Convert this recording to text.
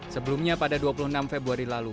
sebelumnya pada dua puluh enam februari lalu